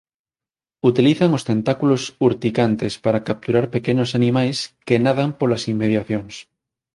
Utilizan os tentáculos urticantes para capturar pequenos animais que nadan polas inmediacións.